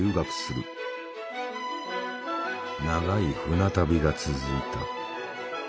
長い船旅が続いた。